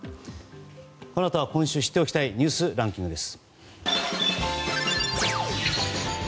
このあとは今週知っておきたいニュースランキングです。